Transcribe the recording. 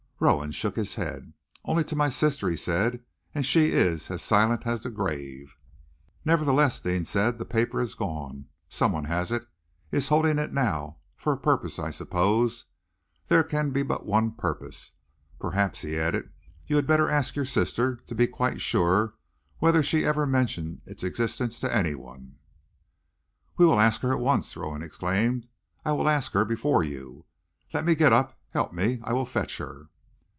Rowan shook his head. "Only to my sister," he said, "and she is as silent as the grave." "Nevertheless," Deane said, "the paper has gone. Someone has it is holding it now for a purpose, I suppose. There can but be one purpose. Perhaps," he added, "you had better ask your sister, to be quite sure whether she ever mentioned its existence to anyone." "We will ask her at once!" Rowan exclaimed. "I will ask her before you. Let me get up. Help me. I will fetch her."